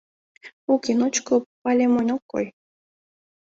Уке, ночко пале монь ок кой.